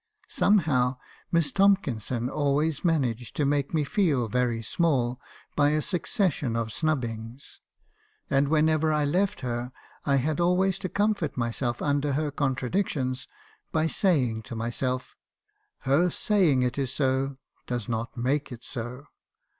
Somehow 280 5b. habbison's concessions. Miss Tomkinson always managed to make me feel very small, by a succession of snubbings ; and whenever I left her I had al ways to comfort myself under her contradictions by saying to myself, 'Her saying it is so does not make it so.'